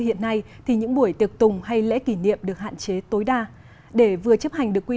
hiện nay thì những buổi tiệc tùng hay lễ kỷ niệm được hạn chế tối đa để vừa chấp hành được quy